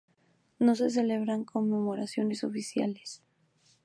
No se celebran conmemoraciones oficiales.